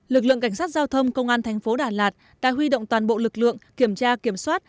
lực lượng cảnh sát giao thông công an thành phố đà lạt đã huy động toàn bộ lực lượng kiểm tra kiểm soát